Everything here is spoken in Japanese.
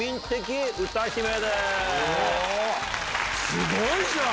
すごいじゃん！